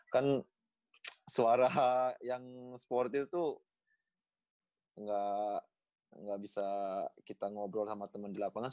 kan suara yang supporter tuh nggak bisa kita ngobrol sama temen di lapangan